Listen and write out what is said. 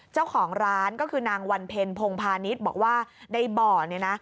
เจ้าของร้านก็คือนางวันเพ็ญพงพาณิชย์บอกว่าในบ่อเนี่ยนะ